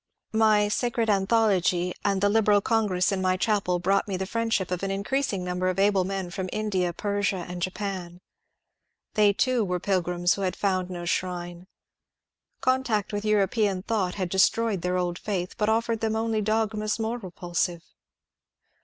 My ^^ Sacred Anthology " and the Liberal Congress in my chapel brought me the friendship of an increasing numbtf of able men from India, Persia, and Japan. They, too, were pilgrims who had found no shrine. Contact with European thought had destroyed their old faith but offered them only dogmas more repulsive.